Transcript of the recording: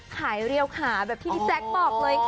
เรียวขาแบบที่พี่แจ๊คบอกเลยค่ะ